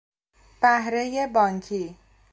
بهرهی بانکی